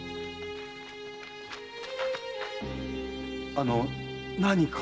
あの何か。